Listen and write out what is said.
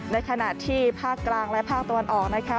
ในขณะที่ภาคกลางและภาคตะวันออกนะคะ